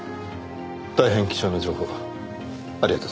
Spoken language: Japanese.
大変貴重な情報ありがとうございます。